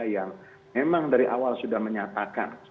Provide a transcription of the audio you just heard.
yang memang dari awal sudah menyatakan